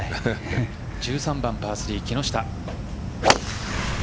１３番パー３、木下。